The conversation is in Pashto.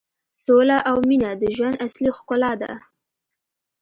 سوله او مینه د ژوند اصلي ښکلا ده.